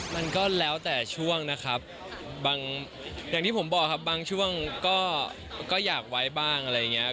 มันก็แล้วแต่ช่วงนะครับบางอย่างที่ผมบอกครับบางช่วงก็อยากไว้บ้างอะไรอย่างนี้